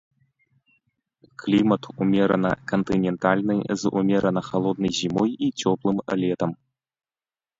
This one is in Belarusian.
Клімат умерана-кантынентальны з умерана халоднай зімой і цёплым летам.